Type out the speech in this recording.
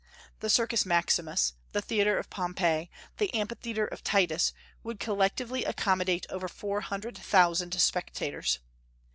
The Circus Maximus, the Theatre of Pompey, the Amphitheatre of Titus, would collectively accommodate over four hundred thousand spectators.